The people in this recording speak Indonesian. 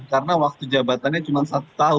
karena waktu jabatannya cuma satu tahun